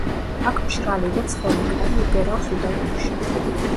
აქ მშრალი და ცხელი ქარი უბერავს უდაბნოში.